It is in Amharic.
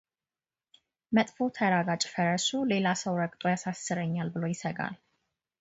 መጥፎ ተራጋጭ ፈረሱ ሌላ ሰው ረግጦ ያሳስረኛል ብሎ ይሰጋል፡፡